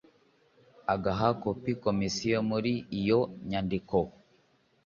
agaha kopi komisiyo muri iyo nyandiko